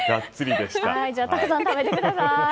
たくさん食べてください。